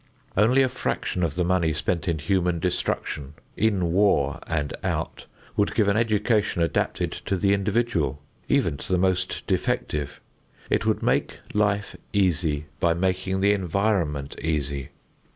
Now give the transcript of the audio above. Only a fraction of the money spent in human destruction, in war and out, would give an education adapted to the individual, even to the most defective. It would make life easy by making the environment easy.